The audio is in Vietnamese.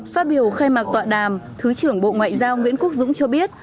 phát biểu khai mạc tọa đàm thứ trưởng bộ ngoại giao nguyễn quốc dũng cho biết